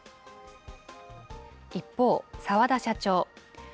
一方、澤田社長。